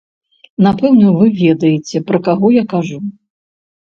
Напэўна, вы ведаеце, пра каго я кажу.